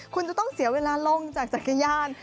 คุณจะต้องเสียเวลาลงจากจักรยาน